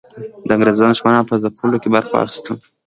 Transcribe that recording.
د انګریزانو دښمنانو په ځپلو کې برخه واخیسته.